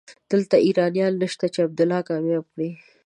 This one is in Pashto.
دلته ايرانيان نشته چې عبدالله کامياب کړي.